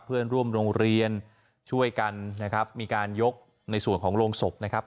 เพื่อนร่วมโรงเรียนช่วยกันนะครับมีการยกในส่วนของโรงศพนะครับ